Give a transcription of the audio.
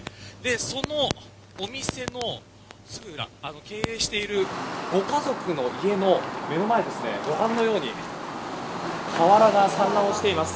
そのお店のすぐ裏経営しているご家族の家の目の前、ご覧のように瓦が散乱しています。